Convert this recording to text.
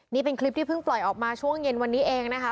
นี่เป็นคลิปที่เพิ่งปล่อยออกมาช่วงเย็นวันนี้เองนะคะ